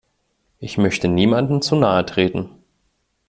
Ich möchte niemandem zu nahe treten.